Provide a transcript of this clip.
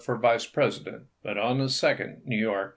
for Vice President, but on the second New York Aug.